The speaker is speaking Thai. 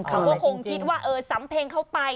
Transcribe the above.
เขาก็คงคิดว่าสัมเพงเขาไป